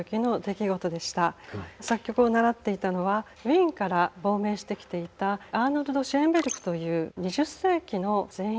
作曲を習っていたのはウィーンから亡命してきていたアルノルト・シェーンベルクという２０世紀の前衛